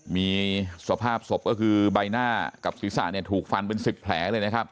มีสภาพศพก็คือใบหน้ากับศีรษะถูกฟันเป็น๑๐แผล